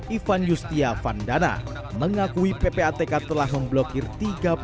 ivan yustyafan dana mengakui ppatk telah memblokir tiga puluh tiga rekening bank